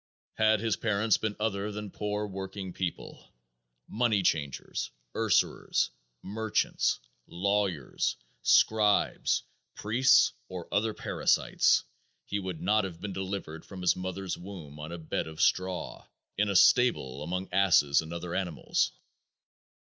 Had His parents been other than poor working people money changers, usurers, merchants, lawyers, scribes, priests or other parasites He would not have been delivered from His mother's womb on a bed of straw in a stable among asses and other animals.